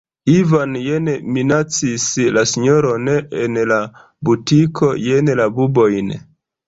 Ivan jen minacis la sinjoron en la butiko, jen la bubojn.